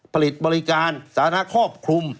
ผลิตบริการสาธารณะครอบคลุม